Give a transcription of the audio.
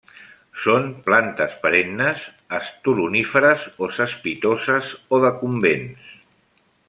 Són plantes perennes; estoloníferes o cespitoses o decumbents.